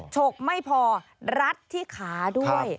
ฉกไม่พอรัดที่ขาด้วย